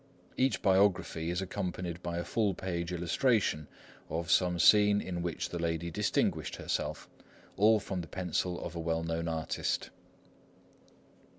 Each biography is accompanied by a full page illustration of some scene in which the lady distinguished herself,—all from the pencil of a well known artist.